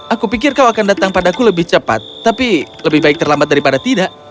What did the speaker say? aku pikir kau akan datang padaku lebih cepat tapi lebih baik terlambat daripada tidak